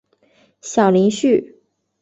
小林旭。